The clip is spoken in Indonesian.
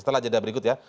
setelah jeda berikut ya